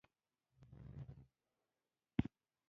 جانداد د وفا ریښتینی مثال دی.